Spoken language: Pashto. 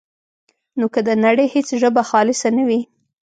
نو که د نړۍ هېڅ ژبه خالصه نه وي،